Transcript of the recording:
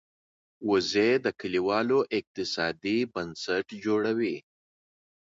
وزې د کلیوالو اقتصاد بنسټ جوړوي